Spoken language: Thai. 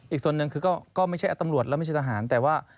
อีกส่วนหนึ่งคือก็ไม่ใช่ตำรวจแล้วไม่ใช่ทหารแต่ว่า